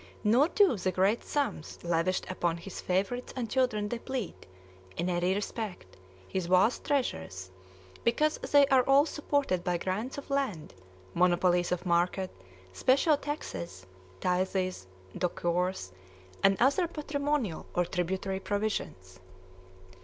Nor do the great sums lavished upon his favorites and children deplete, in any respect, his vast treasures, because they are all supported by grants of land, monopolies of market, special taxes, tithes, douceurs, and other patrimonial or tributary provisions.